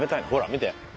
ほら見て。